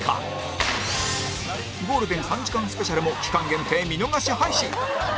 ゴールデン３時間スペシャルも期間限定見逃し配信